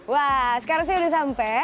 wah sekarang saya udah sampai